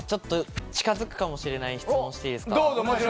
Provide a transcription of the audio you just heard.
近づくかもしれない質問していいですか？